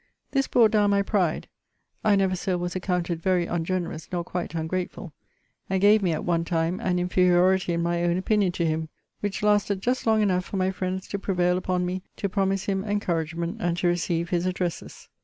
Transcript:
This brought down my pride, [I never, Sir, was accounted very ungenerous, nor quite ungrateful,] and gave me, at one time, an inferiority in my own opinion to him; which lasted just long enough for my friends to prevail upon me to promise him encouragement, and to receive his addresses.